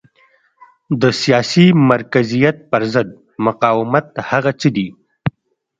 د سیاسي مرکزیت پرضد مقاومت هغه څه دي.